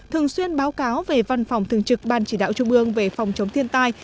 thường xuyên báo cáo về văn phòng thường trực ban chỉ đạo trung ương về phòng chống thiên tai